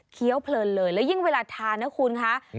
เพลินเลยแล้วยิ่งเวลาทานนะคุณคะ